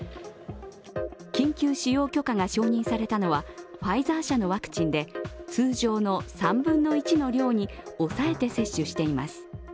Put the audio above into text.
緊急使用許可が承認されたのはファイザー社のワクチンで通常の３分の１の量に抑えて接種しています。